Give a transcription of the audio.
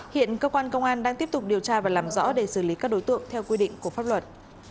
hiện cơ quan công an đang tiếp tục điều tra và làm rõ để xử lý các đối tượng theo quy định của pháp luật